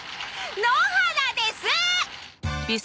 野原です！